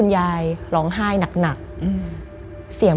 มันกลายเป็นรูปของคนที่กำลังขโมยคิ้วแล้วก็ร้องไห้อยู่